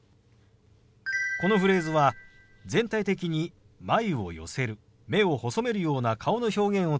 このフレーズは全体的に眉を寄せる目を細めるような顔の表現をつけるのがポイントです。